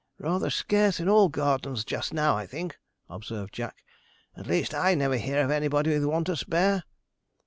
'Rather scarce in all gardens just now, I think,' observed Jack; 'at least, I never hear of anybody with one to spare.'